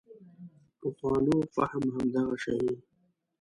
پخوانو فهم همدغه شی و.